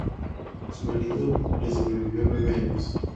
Su marido le sobrevivió nueve años.